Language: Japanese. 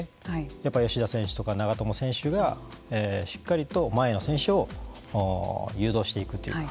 やっぱり吉田選手とか長友選手がしっかりと前の選手を誘導していくというか。